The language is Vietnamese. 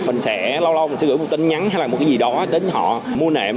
mình sẽ lâu lâu mình sẽ gửi một tin nhắn hay là một cái gì đó đến họ mua nệm